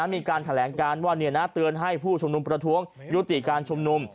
มีการแถลงการว่าเตือนให้ผู้ชุมนุมประท้วงยุติการชุมนุม